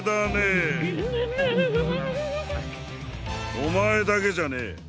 おまえだけじゃねえ。